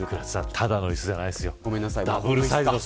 ただの椅子じゃないですよ。